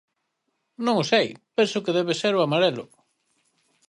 Non o sei, penso que debe ser o amarelo.